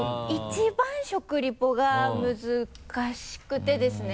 一番食リポが難しくてですね。